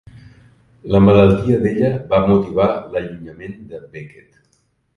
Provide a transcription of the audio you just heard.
La malaltia d'ella va motivar l'allunyament de Beckett.